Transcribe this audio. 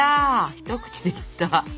一口でいった！